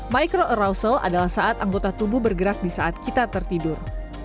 micro arrosel adalah saat anggota tubuh bergerak di saat kita tertidur